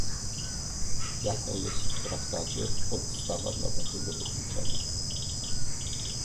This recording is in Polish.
Jaka jest w Traktacie podstawa dla takiego wykluczenia?